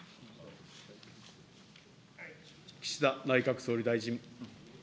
岸田内閣総理大臣。